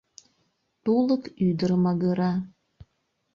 Тулык ӱдыр магыра